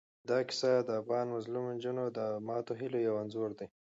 دا کیسه د افغان مظلومو نجونو د ماتو هیلو یو انځور دی.